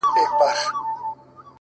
نه پاته کيږي! ستا د حُسن د شراب! وخت ته!